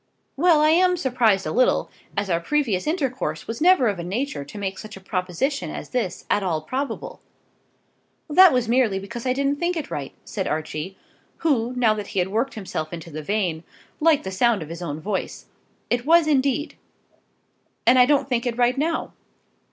"Well; I am surprised a little, as our previous intercourse was never of a nature to make such a proposition as this at all probable." "That was merely because I didn't think it right," said Archie, who, now that he had worked himself into the vein, liked the sound of his own voice. "It was indeed." "And I don't think it right now.